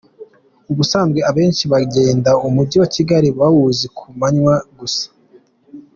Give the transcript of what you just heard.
Ubusanzwe abenshi bagenda umujyi wa Kigali bawuzi ku manywa gusa.